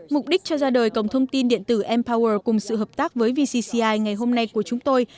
mục đích cho ra đời cổng thông tin điện tử em power cùng sự hợp tác với vcci ngày hôm nay của chúng tôi